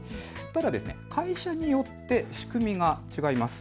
ただ、会社によって仕組みが違います。